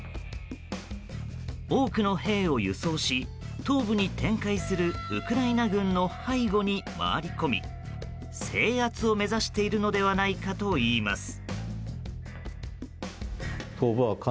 多くの兵を輸送し東部に展開するウクライナ軍の背後に回り込み制圧を目指しているのではないかといいます。